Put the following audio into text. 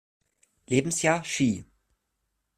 Lebensjahr Ski.